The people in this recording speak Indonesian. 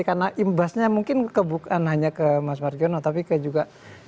karena imbasnya mungkin ke bukan hanya ke mas margiono tapi ke juga